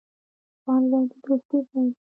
ښوونځی د دوستۍ ځای دی.